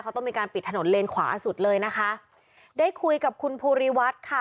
เขาต้องมีการปิดถนนเลนขวาสุดเลยนะคะได้คุยกับคุณภูริวัฒน์ค่ะ